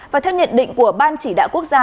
và theo nhận định của ban chỉ đạo quốc gia